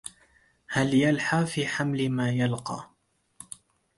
هل يلحى في حمل ما يلقى